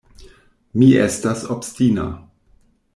Mi estas obstina.